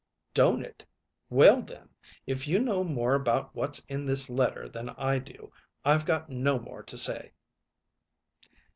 "Don't it? Well, then, if you know more about what's in this letter than I do, I've got no more to say."